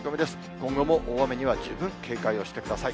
今後も大雨には十分警戒をしてください。